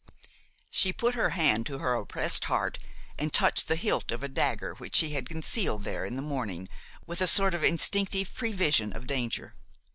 She put her hand to her oppressed heart and touched the hilt of a dagger which she had concealed there in the morning, with a sort of instinctive prevision of danger.